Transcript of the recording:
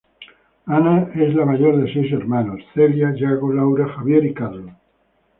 Ana es la mayor de seis hermanos: Celia, Yago, Laura, Javier y Carlos.